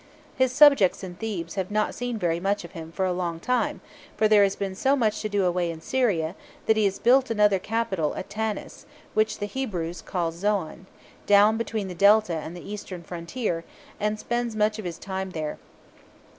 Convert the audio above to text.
His subjects in Thebes have not seen very much of him for a long time, for there has been so much to do away in Syria, that he has built another capital at Tanis, which the Hebrews call Zoan, down between the Delta and the eastern frontier, and spends most of his time there.